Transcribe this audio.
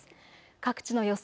各地の予想